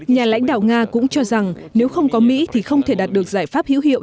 nhà lãnh đạo nga cũng cho rằng nếu không có mỹ thì không thể đạt được giải pháp hữu hiệu